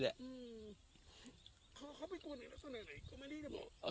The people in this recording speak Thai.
หลับไปกันอยู่บ้านคืนนั้นเป็นไง